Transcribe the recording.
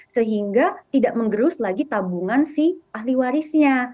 sehingga tidak mengerus lagi tabungan si ahli warisnya